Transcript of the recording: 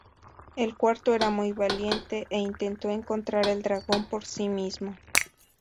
El cuarto era muy valiente e intentó encontrar el dragón por sí mismo.